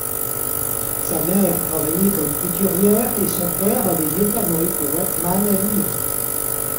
Sa mère travaillait comme couturière et son père avait notamment été wattman à Lyon.